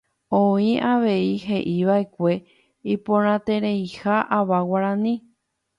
Oĩ avei heʼívaʼekue iporãitereiha ava guarani.